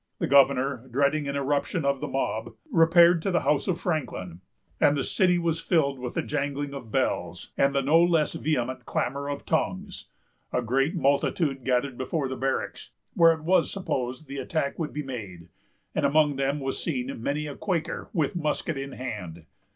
The governor, dreading an irruption of the mob, repaired to the house of Franklin; and the city was filled with the jangling of bells, and the no less vehement clamor of tongues. A great multitude gathered before the barracks, where it was supposed the attack would be made; and among them was seen many a Quaker, with musket in hand.